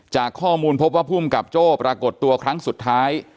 จากข้อมูลพบว่าภูมิกับโจ้ปรากฏตัวครั้งสุดท้าย